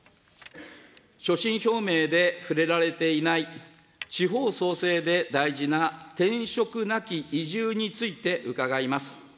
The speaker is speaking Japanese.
所信表明で触れられていない、地方創生で大事な転職なき移住について伺います。